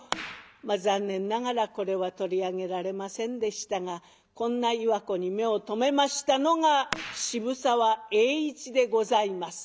残念ながらこれは取り上げられませんでしたがこんな岩子に目を留めましたのが渋沢栄一でございます。